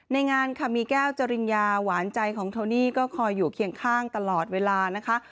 งานค่ะมีแก้วจริญญาหวานใจของโทนี่ก็คอยอยู่เคียงข้างตลอดเวลานะคะ